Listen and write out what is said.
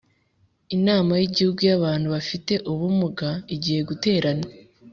Inama y’ Igihugu y ‘Abantu bafite ubumuga igiye guterana